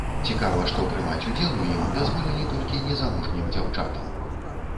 Цікава, што прымаць удзел у ім дазволілі толькі незамужнім дзяўчатам.